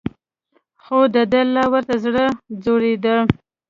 خو دده لا ورته زړه ځورېده.